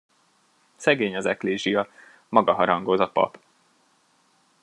Szegény az eklézsia, maga harangoz a pap.